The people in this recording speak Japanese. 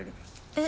え？